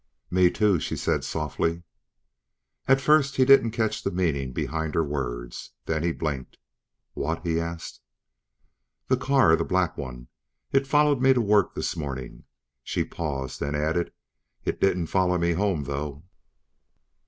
"Me too," she said softly. At first he didn't catch the meaning behind her words, then he blinked. "What?" He asked. "The car, the black one. It followed me to work this morning." She paused, then added, "It didn't follow me home though."